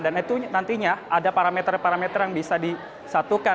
dan itu nantinya ada parameter parameter yang bisa disatukan